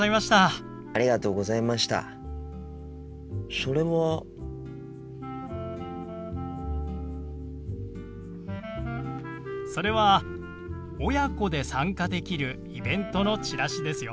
それは。それは親子で参加できるイベントのチラシですよ。